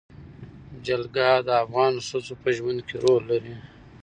جلګه د افغان ښځو په ژوند کې رول لري.